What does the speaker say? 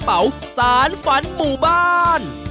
เป็นในน้ำ